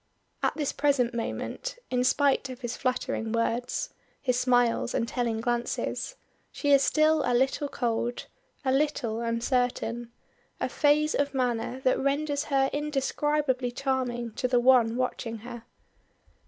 At this present moment, in spite of his flattering words, his smiles and telling glances, she is still a little cold, a little uncertain, a phase of manner that renders her indescribably charming to the one watching her.